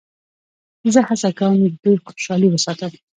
زه هڅه کوم د دوی خوشحالي وساتم.